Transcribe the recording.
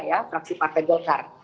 ya fraksi partai gelkar